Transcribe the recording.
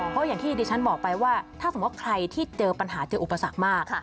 เพราะอย่างที่ดิฉันบอกไปว่าถ้าสมมุติว่าใครที่เจอปัญหาเจออุปสรรคมาก